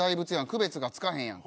区別がつかへんやん。